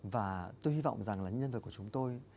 và tôi hy vọng rằng là nhân vật của chúng tôi